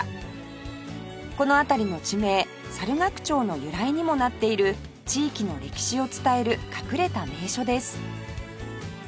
この辺りの地名猿楽町の由来にもなっている地域の歴史を伝える隠れた名所です